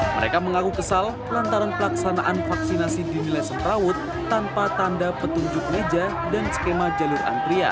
mereka mengaku kesal lantaran pelaksanaan vaksinasi dinilai semrawut tanpa tanda petunjuk meja dan skema jalur antrian